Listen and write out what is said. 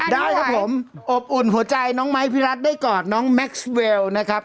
ได้ครับผมอบอุ่นหัวใจน้องไม้พี่รัฐได้กอดน้องแม็กซ์เวลนะครับ